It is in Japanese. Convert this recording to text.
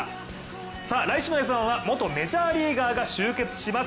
来週の「Ｓ☆１」は元メジャーリーガーが集結します